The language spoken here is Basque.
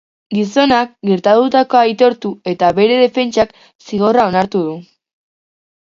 Gizonak gertatutakoa aitortu eta bere defentsak zigorra onartu du.